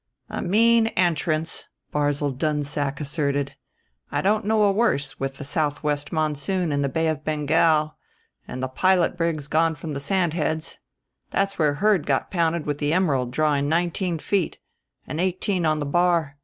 "A mean entrance," Barzil Dunsack asserted. "I don't know a worse with the southwest monsoon in the Bay of Bengal and the pilot brigs gone from the Sand Heads. That's where Heard got pounded with the Emerald drawing nineteen feet, and eighteen on the bar.